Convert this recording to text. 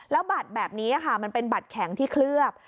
แล้วบัตรแบบนี้ค่ะมันเป็นบัตรแข็งที่เคลือบ